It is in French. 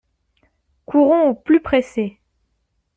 Courons au plus pressé.